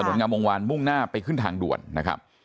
งามวงวานมุ่งหน้าไปขึ้นทางด่วนนะครับ